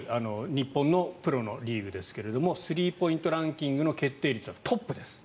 日本のプロのリーグですがスリーポイントランキングの決定率はトップです。